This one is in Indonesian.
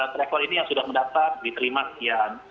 trekor ini yang sudah mendapat diterima sekian